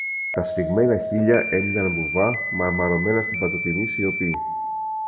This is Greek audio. Τα σφιγμένα χείλια έμειναν βουβά, μαρμαρωμένα στην παντοτινή σιωπή.